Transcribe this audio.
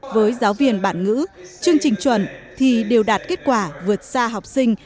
với giáo viên bản ngữ chương trình chuẩn thì đều đạt kết quả vượt xa học sinh